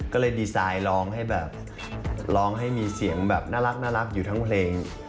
ก็เลยดีไซน์ร้องให้แบบร้องให้มีเสียงแบบน่ารักอยู่ทั้งเพลง